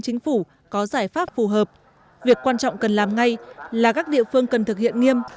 chính phủ có giải pháp phù hợp việc quan trọng cần làm ngay là các địa phương cần thực hiện nghiêm